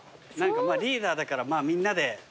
リーダーだからみんなで支えよう。